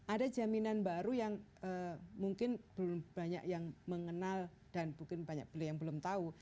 ada jaminan baru yang mungkin belum banyak yang mengenal dan mungkin banyak yang belum tahu